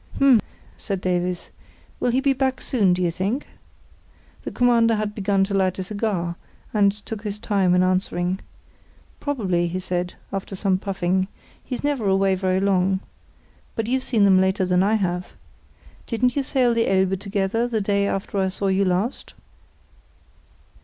"H'm!" said Davies; "will he be back soon, do you think?" The Commander had begun to light a cigar, and took his time in answering. "Probably," he said, after some puffing, "he's never away very long. But you've seen them later than I have. Didn't you sail to the Elbe together the day after I saw you last?"